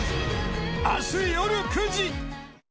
明日、夜９時。